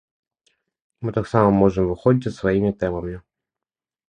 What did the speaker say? Мы таксама можам выходзіць са сваімі тэмамі.